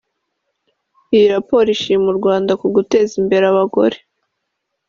Iyi raporo ishima u Rwanda ku guteza imbere abagore